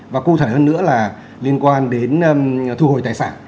và cụ thể hơn nữa là liên quan đến thu hồi tài sản